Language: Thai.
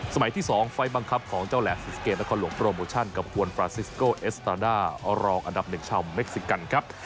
สมัยที่สองไฟล์บังคับของเจ้าแหลกซิสเกดและควรหลวงโปรโมชั่นกับฝวนฟราซิสโกเอสตราด้ารองอันดับหนึ่งชาวเม็กซิกันครับ